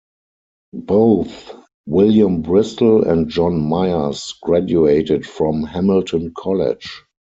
Both William Bristol and John Myers graduated from Hamilton College.